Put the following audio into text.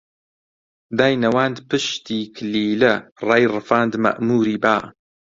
داینەواند پشتی کلیلە، ڕایڕفاند مەئمووری با